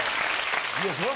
いやそら。